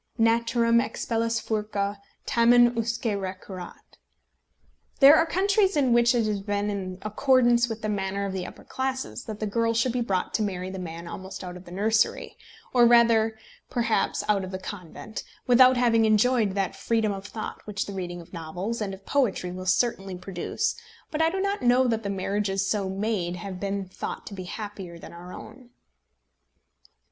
"Naturam expellas furcâ, tamen usque recurret." There are countries in which it has been in accordance with the manners of the upper classes that the girl should be brought to marry the man almost out of the nursery or rather perhaps out of the convent without having enjoyed that freedom of thought which the reading of novels and of poetry will certainly produce; but I do not know that the marriages so made have been thought to be happier than our own.